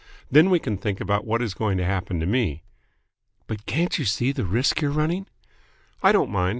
Then we can think about what is going to happen to me." "But can't you see the risk you're running?" "I don't mind.